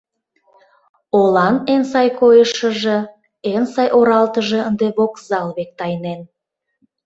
Олан эн сай койышыжо, эн сай оралтыже ынде вокзал век тайнен.